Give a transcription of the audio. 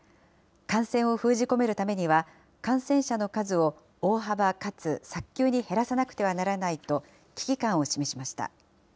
感染を封じ込めるためには、感染者の数を大幅かつ早急に減らさなくてはならないと、危機感を示しました。